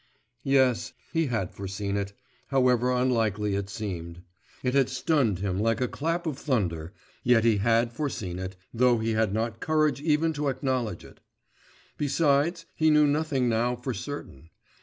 Yes, he had foreseen it, however unlikely it seemed. It had stunned him like a clap of thunder, yet he had foreseen it, though he had not courage even to acknowledge it. Besides he knew nothing now for certain.